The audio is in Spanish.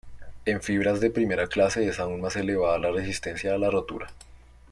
En fibras de primera clase es aún más elevada la resistencia a la rotura.